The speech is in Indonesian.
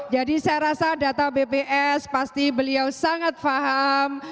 jadi saya rasa data bps pasti beliau sangat paham